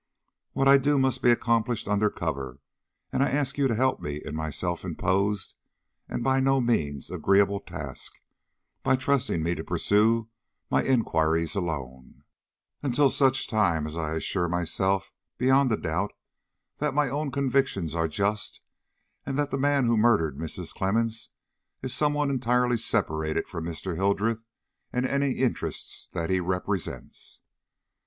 What I do must be accomplished under cover, and I ask you to help me in my self imposed and by no means agreeable task, by trusting me to pursue my inquiries alone, until such time as I assure myself beyond a doubt that my own convictions are just, and that the man who murdered Mrs. Clemmens is some one entirely separated from Mr. Hildreth and any interests that he represents."